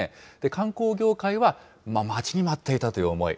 観光業界は、待ちに待っていたという思い。